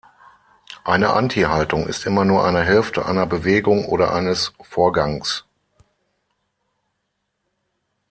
Eine Anti-Haltung ist immer nur eine Hälfte einer Bewegung oder eines Vorgangs.